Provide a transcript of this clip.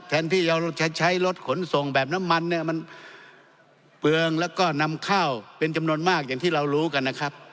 แทนที่เราจะใช้รถขนส่งแบบน้ำมันเนี่ยมันเปลืองแล้วก็นำข้าวเป็นจำนวนมากอย่างที่เรารู้กันนะครับ